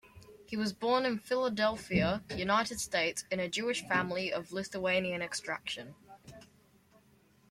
He was born in Philadelphia, United States, in a Jewish family of Lithuanian extraction.